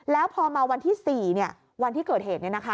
แล้วพอมาวันที่๔วันที่เกิดเหตุ